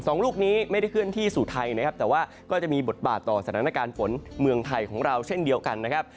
ลูกนี้ไม่ได้เคลื่อนที่สู่ไทยนะครับแต่ว่าก็จะมีบทบาทต่อสถานการณ์ฝนเมืองไทยของเราเช่นเดียวกันนะครับ